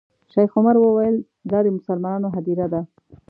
شیخ عمر وویل دا د مسلمانانو هدیره ده.